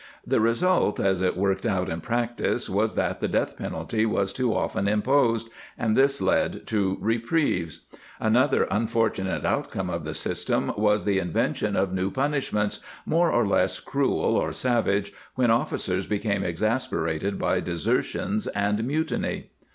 The result as it worked out in practice was that the death penalty was too often imposed, and this led to reprieves. Another unfortunate outcome of the system was the invention of new punishments, more or less cruel or savage, when officers became exasperated by desertions and mutiny.